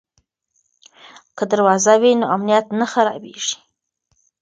که دروازه وي نو امنیت نه خرابېږي.